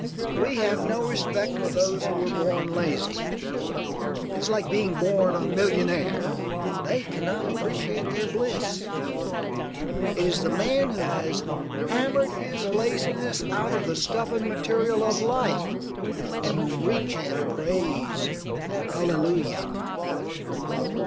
We have no respect for those who were born lazy; it is like being born a millionaire: they cannot appreciate their bliss. It is the man who has hammered his laziness out of the stubborn material of life for whom we chant praise and allelulia.